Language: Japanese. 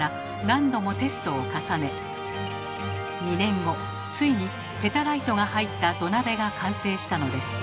２年後ついにペタライトが入った土鍋が完成したのです。